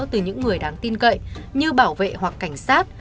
từ những người đáng tin cậy như bảo vệ hoặc cảnh sát